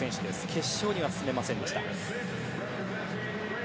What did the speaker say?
決勝には進めませんでした。